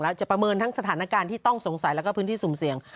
จะประเมินทั้งสถานการณ์ที่ต้องสงสัยแล้วก็พื้นที่สุ่มเสี่ยง